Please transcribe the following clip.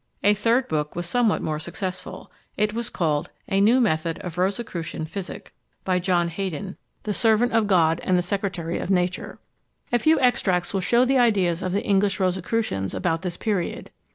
A third book was somewhat more successful; it was called A new Method of Rosicrucian Physic; by John Heydon, the servant of God and the Secretary of Nature. A few extracts will shew the ideas of the English Rosicrucians about this period.